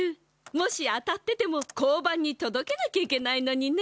もし当たってても交番にとどけなきゃいけないのにね。